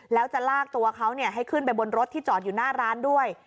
แล้วจะลากตัวเขาให้ขึ้นไปบนรถที่จอดอยู่หน้าร้านด้วย